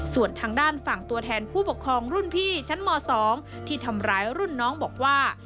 ส่วนทางด้านฝั่งตัวแทนผู้ปกครองรุ่นพี่ชั้นม๒ที่ทำร้ายรุ่นน้องบอกว่า